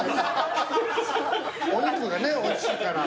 お肉がねおいしいから。